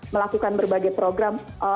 melakukan berbagai program